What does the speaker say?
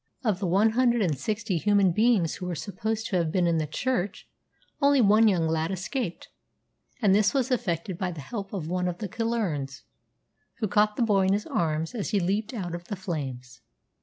Of the one hundred and sixty human beings who are supposed to have been in the church, only one young lad escaped, and this was effected by the help of one of the Killearns, who caught the boy in his arms as he leaped out of the flames.